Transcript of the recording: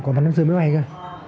còn văn bảy mới bay cơ